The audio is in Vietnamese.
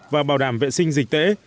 và bảo đảm vệ sinh dịch tễ